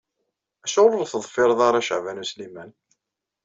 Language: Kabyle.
Acuɣer ur teḍfireḍ ara Caɛban U Sliman?